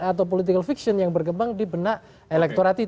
atau political fiction yang bergembang di benak elektorat itu